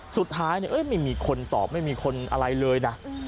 สุดท้ายไม่มีคนตอบไม่มีคนอะไรเลยนะ